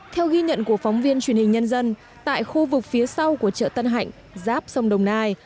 theo ghi nhận của phóng viên truyền hình nhân dân tại khu vực phía sau của chợ tân hạnh giáp sông đồng nai